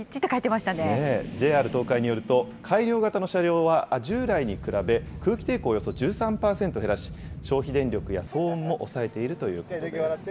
ＪＲ東海によると、改良型の車両は従来に比べ、空気抵抗をおよそ１３％減らし、消費電力や騒音も抑えているということです。